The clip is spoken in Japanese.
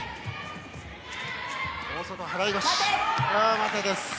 待てです。